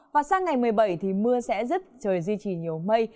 và sang ngày một mươi bảy thì mưa sẽ rất trời duy trì nhiều mây